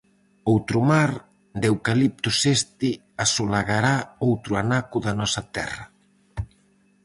Outro mar, de eucaliptos este, asolagará outro anaco da nosa terra.